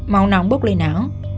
màu nóng bốc lên não